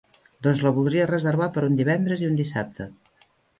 Doncs la voldria reservar per un divendres i un dissabte.